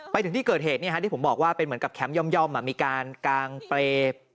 ไปถึงที่เกิดเหตุที่ผมบอกว่าเป็นเหมือนกับแคมป์ย่อมมีการกางเปรย์